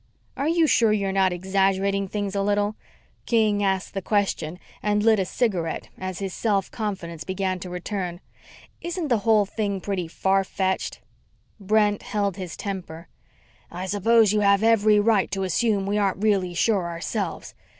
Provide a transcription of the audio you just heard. "Are you sure you're not exaggerating things a little?" King asked the question and lit a cigarette as his self confidence began to return. "Isn't the whole thing pretty far fetched?" Brent held his temper. "I suppose you have every right to assume we aren't really sure ourselves.